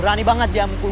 udah lah gak usah diadenin